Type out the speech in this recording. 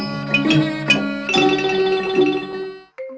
ทำให้พวกเราอบเข้าใจ